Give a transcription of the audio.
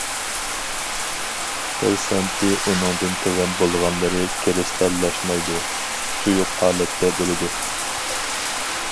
پىرسەنتى ئۇنىڭدىن تۆۋەن بولغانلىرى كىرىستاللاشمايدۇ، سۇيۇق ھالەتتە بولىدۇ.